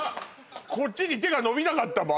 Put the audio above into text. こっちに手が伸びなかったもん